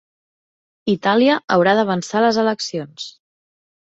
Itàlia haurà d'avançar les eleccions